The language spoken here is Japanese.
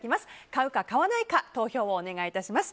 買うか買わないか投票をお願い致します。